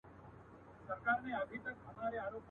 کلي به سوځو جوماتونه سوځو.